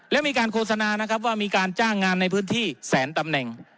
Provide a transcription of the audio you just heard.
และมีการโฆษณานะครับว่ามีการจ้างงานในพื้นที่แสนตำแหน่ง